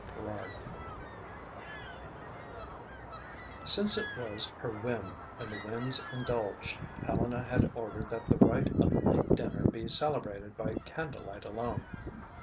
VIII Since it was her whim and the winds indulged, Helena had ordered that the rite of the late dinner be celebrated by candlelight alone.